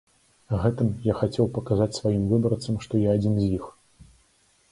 Гэтым я хацеў паказаць сваім выбарцам, што я адзін з іх.